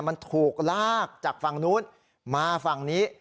มันถูกลากจากฝั่งนู้นมาฝั่งนี้